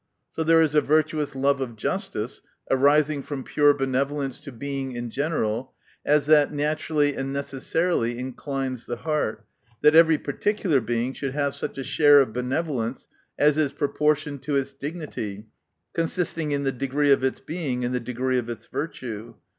So there is a virtuous love of justice, arising from pure benevolence to Being in general, as that naturally and necessarily inclines the heart, that every particulai Being should have such a share of benevolence as is proportioned to its dignity, consisting in the degree of its Being, and the degree of its virtue.